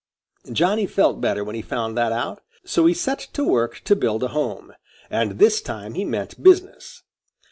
Johnny felt better when he found that out. So he set to work to build a home, and this time he meant business.